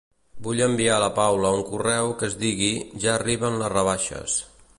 Vull enviar a la Paula un correu que es digui "ja arriben les rebaixes".